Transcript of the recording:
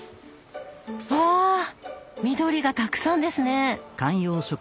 わ緑がたくさんですね！